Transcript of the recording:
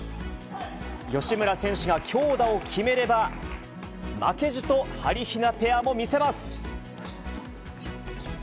吉村選手が強打を決めれば、負けじとはりひなペアも見せます。